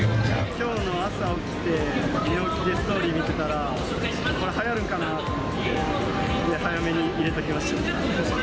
きょうの朝起きて、寝起きでストーリー見てたら、これはやるんかなと思って、早めに入れときました。